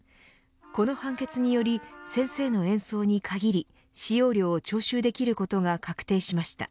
この判決により先生の演奏に限り使用料を徴収できることが確定しました。